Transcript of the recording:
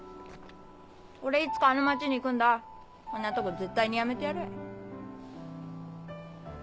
オレいつかあの町に行くんだこんなとこ絶対にやめてやる。